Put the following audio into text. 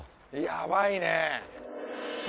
やばいね。